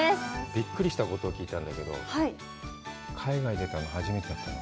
びっくりしたことを聞いたんだけど、海外出たの、初めてだったの？